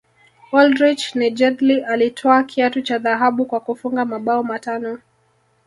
oldrich nejedly alitwaa kiatu cha dhahabu kwa kufunga mabao matano